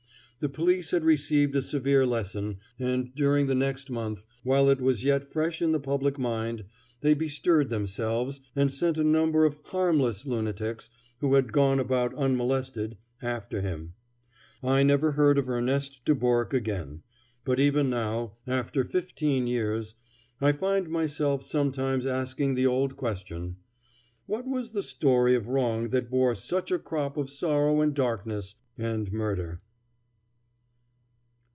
The police had received a severe lesson, and during the next month, while it was yet fresh in the public mind, they bestirred themselves, and sent a number of "harmless" lunatics, who had gone about unmolested, after him. I never heard of Erneste Dubourque again; but even now, after fifteen years, I find myself sometimes asking the old question: What was the story of wrong that bore such a crop of sorrow and darkness and murder?